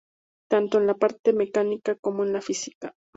Tanto en la parte mecánica como en la física.